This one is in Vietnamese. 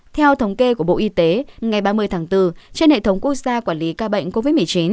theo thống kê của bộ y tế ngày ba mươi tháng bốn trên hệ thống quốc gia quản lý ca bệnh covid một mươi chín